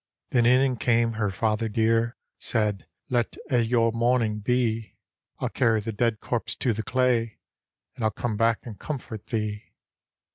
Then in and came her father dear; Said, "Let a' your mourning be; I'll carry the dead corpse to the clay. And I'll come back and comfort thee."